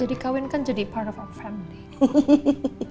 jadi kawin kan jadi part of our family